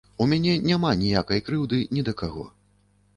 У мяне няма ніякай крыўды ні да каго.